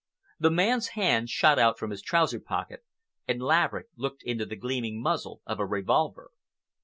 The man's hand shot out from his trouser pocket, and Laverick looked into the gleaming muzzle of a revolver.